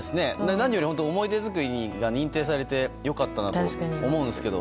何より思い出作りが認定されて良かったなと思うんですけど。